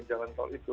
jalan tol itu